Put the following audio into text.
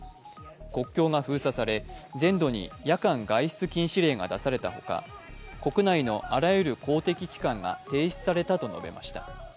国境が封鎖され、全土に夜間外出禁止令が出されたほか国内のあらゆる公的機関が停止されたと述べました。